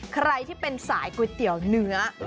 ใครที่เป็นสายก๋วยเตี๋ยวเนื้อ